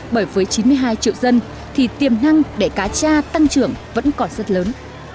bởi với chín mươi hai triệu dân thì tiềm năng để cá tra tăng trưởng vẫn còn rất lớn